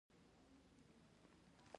ایا زه باید ګوښه ژوند وکړم؟